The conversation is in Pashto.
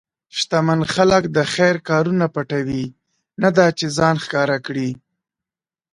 شتمن خلک د خیر کارونه پټوي، نه دا چې ځان ښکاره کړي.